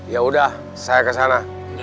yaudah saya kesana